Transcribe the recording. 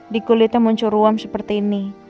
di kulitnya muncul ruam seperti ini